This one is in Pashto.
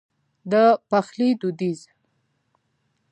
د پخلي دوديز